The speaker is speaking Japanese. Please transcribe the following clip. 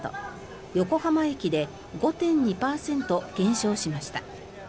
横浜駅で５．２％減少しました。